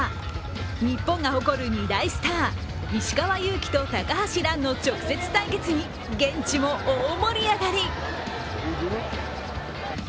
日本が誇る２大スター、石川祐希と高橋藍の直接対決に現地も大盛り上がり。